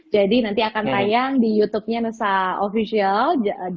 jadi nanti akan tayang di youtubenya nusa official